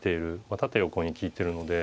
縦横に利いてるので。